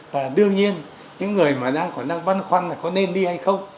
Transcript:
và đương nhiên những người mà đang băn khoăn là có nên đi hay không